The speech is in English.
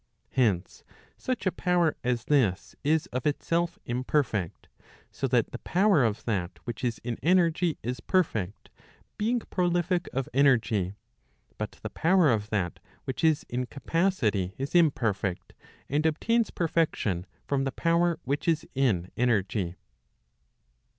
Hence, such a power as this is of itself imperfect. So that the power of that which is in energy is perfect, being prolific of energy. But the power of that which is in capacity is imperfect, and obtains perfection from the power which is in energy.